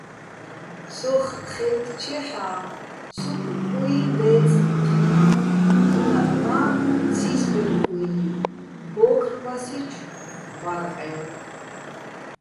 სოხ ხაჲტტჩეჰ̦ა́, სუფრ კუიჼ დე́წე ხილ'აჼ, ბუნაგ მა ცისბერ-კუჲჼ, ოქრბასიჩო̆ ვარყევ.